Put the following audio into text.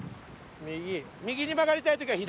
右。に曲りたい時は左。